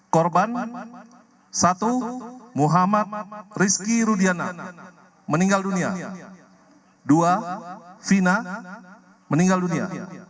korban satu muhammad rizky rudiana meninggal dunia dua vina meninggal dunia